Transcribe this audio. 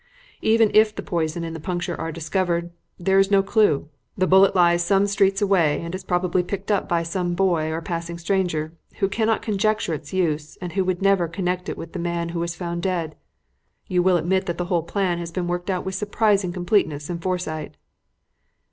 Even if the poison and the puncture are discovered, there is no clue. The bullet lies some streets away, and is probably picked up by some boy or passing stranger, who cannot conjecture its use, and who would never connect it with the man who was found dead. You will admit that the whole plan has been worked out with surprising completeness and foresight."